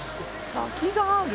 滝がある。